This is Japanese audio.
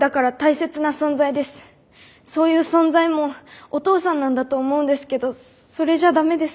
そういう存在もお父さんなんだと思うんですけどそれじゃ駄目ですか？